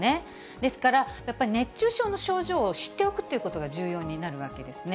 ですから、やっぱり熱中症の症状を知っておくということが重要になるわけですね。